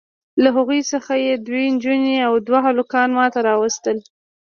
له هغوی څخه یې دوې نجوني او دوه هلکان ماته راواستول.